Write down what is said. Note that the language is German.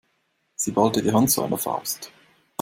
Sie ballte die Hand zu einer Faust.